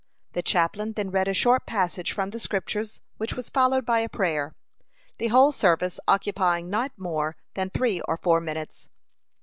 The chaplain then read a short passage from the Scriptures, which was followed by a prayer, the whole service occupying not more than three or four minutes.